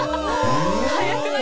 速くない？